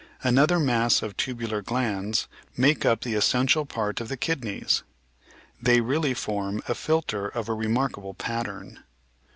Another mass of tubular glands make up the essential part of the kidneys. They really form a filter of a remarkable pattern.